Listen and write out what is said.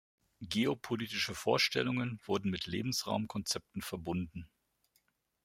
Geopolitische Vorstellungen wurden mit Lebensraum-Konzepten verbunden.